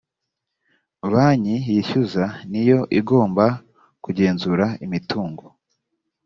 banki yishyuza niyo igomba kugenzura imitungo